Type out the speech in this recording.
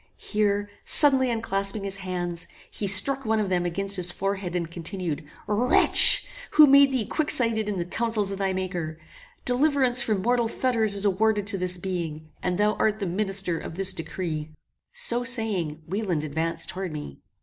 Here suddenly unclasping his hands, he struck one of them against his forehead, and continued "Wretch! who made thee quicksighted in the councils of thy Maker? Deliverance from mortal fetters is awarded to this being, and thou art the minister of this decree." So saying, Wieland advanced towards me.